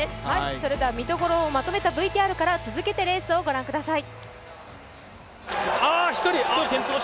それでは見どころをまとめたＶＴＲから、続けてレースをご覧ください。